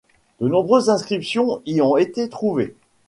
De nombreuses inscriptions y ont été trouvées.